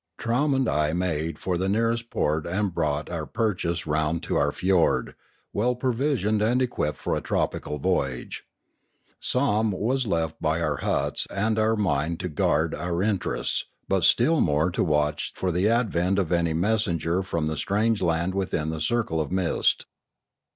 Trowm and I made for the nearest port and brought our purchase round to our fiord, well provisioned and equipped for a tropical voyage. Somm was left by our huts and our mine to guard our interests, but still more to watch for the advent of any messenger from the strange land within the circle of mist.